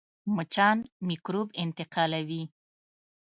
مچان میکروب انتقالوي